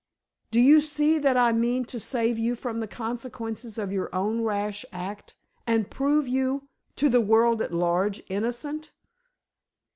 Do you see that I mean to save you from the consequences of your own rash act—and prove you, to the world at large, innocent?"